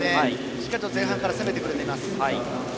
しっかりと前半から攻めてくれています。